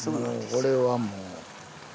これはもう。